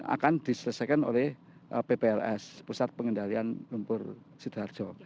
akan diselesaikan oleh bpls pusat pengendalian lumpur sido harjo